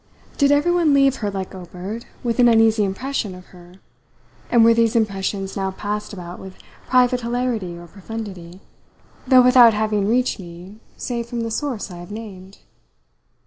Did everyone leave her, like Obert, with an uneasy impression of her, and were these impressions now passed about with private hilarity or profundity, though without having reached me save from the source I have named?